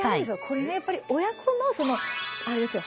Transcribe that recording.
これねやっぱり親子のあれですよ